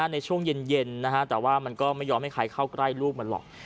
ในช่วงเย็นแต่ว่ามันก็ไม่ยอมให้ใครเข้าใกล้ลูกมันหรอก